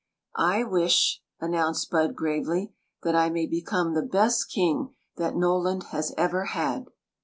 •* I wish," announced Bud, gravely, " that I may become the best king that Noland has ever had!"